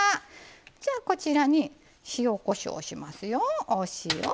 じゃあこちらに塩・こしょうしますよ。お塩。